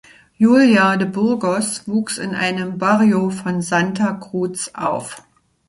Julia de Burgos wuchs in einem Barrio von Santa Cruz auf.